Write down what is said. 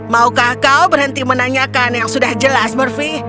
maukah kau berhenti menanyakan yang sudah jelas murvey